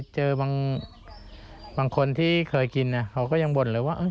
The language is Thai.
เจอบางคนที่เคยกินเขาก็ยังบ่นเลยว่า